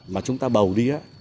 mà chúng ta bầu đi